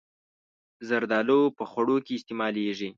زردالو په خوړو کې استعمالېږي.